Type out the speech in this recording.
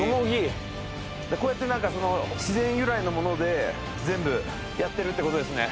こうやって自然由来のもので全部やってるってことですね。